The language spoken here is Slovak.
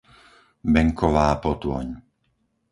Benková Potôň